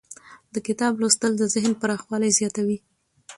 د کتاب لوستل د ذهن پراخوالی زیاتوي.